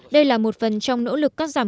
đây là một phần trong nỗ lực cắt giảm